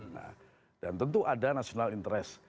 nah dan tentu ada national interest